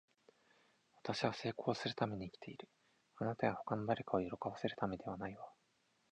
私は成功するために生きている。あなたや他の誰かを喜ばせるためではないわ。